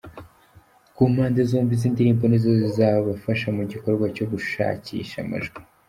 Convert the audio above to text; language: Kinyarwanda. Ku mpande zombi ,izi ndirimbo ni zo zizabafasha mu gikorwa cyo gushakisha amajwi.